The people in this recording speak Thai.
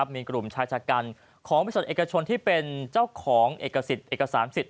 มีกลุ่มชายชะกันของบริษัทเอกชนที่เป็นเจ้าของเอกสิทธิ์เอกสารสิทธิ